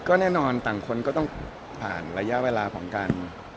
ก็แน่นอนต่างคนก็ต้องผ่านระยะเวลาของการ